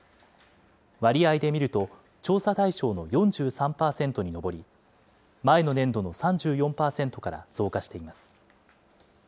割合で見ると調査対象の４３％に上り、前の年度の３４％から増加しています。